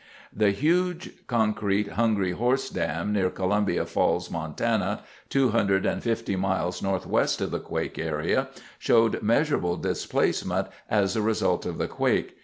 The huge concrete Hungry Horse Dam, near Columbia Falls, Montana, 250 miles NW of the quake area, showed measurable displacement as a result of the quake.